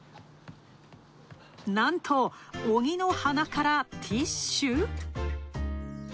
なんと、鬼の鼻からティッシュ？